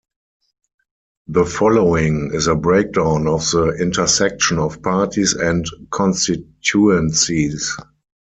The following is a breakdown of the intersection of parties and constituencies.